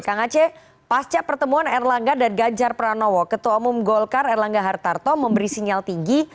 kang aceh pasca pertemuan erlangga dan ganjar pranowo ketua umum golkar erlangga hartarto memberi sinyal tinggi